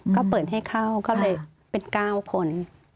ก็เปิดให้เข้าก็เลยเป็น๙คน